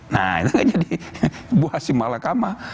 nah itu nggak jadi buah si mahkamah